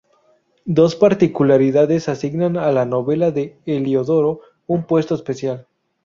Dos particularidades asignan a la novela de Heliodoro un puesto especial.